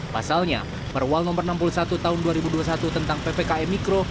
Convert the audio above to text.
pasalnya perwal nomor enam puluh satu tahun dua ribu dua puluh satu tentang ppkm mikro